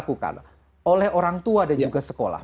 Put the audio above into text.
apa yang harus dilakukan oleh orang tua dan juga sekolah